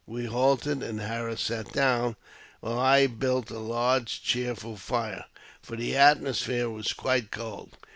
We halted, and Harris sat down, while I built a large, cheerful fire, for the atmosphere was ]quite cold.